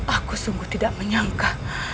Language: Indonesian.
aku sungguh tidak menyangka